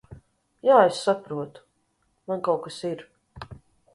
Jā, es saprotu. Man kaut kas ir...